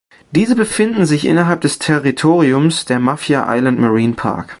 Diese befinden sich innerhalb des Territoriums des Mafia Island Marine Park.